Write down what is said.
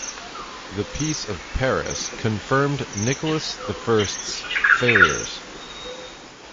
The Peace of Paris confirmed Nicholas the First's failures.